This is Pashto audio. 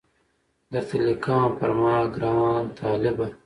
درته لیکمه پر ما ګران طالبه